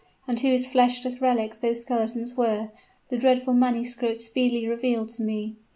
And whose fleshless relics those skeletons were, the dreadful manuscript speedily revealed to me.